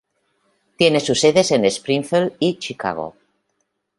Tiene sus sedes en Springfield y Chicago.